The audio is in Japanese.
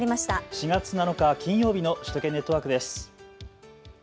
４月７日、金曜日の首都圏ネットワークです。